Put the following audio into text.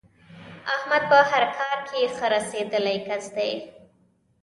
احمد په هر کار کې ښه رسېدلی کس دی.